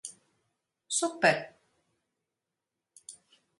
Super!